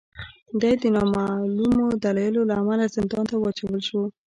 دای د نامعلومو دلایلو له امله زندان ته واچول شو.